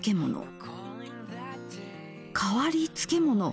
「変わり漬物」